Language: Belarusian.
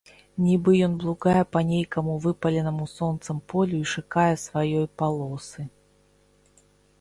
Нiбы ён блукае па нейкаму выпаленаму сонцам полю i шукае сваёй палосы...